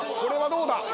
どうだ？